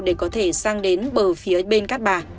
để có thể sang đến bờ phía bên cát bà